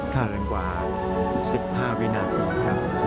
เท่าเรื่องกว่า๑๕วินาที